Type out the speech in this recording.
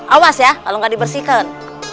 awas ya kalau nggak dibersihkan